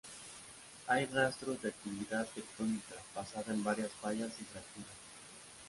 Hay rastros de actividad tectónica pasada en varias fallas y fracturas.